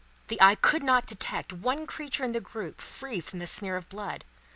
The eye could not detect one creature in the group free from the smear of blood.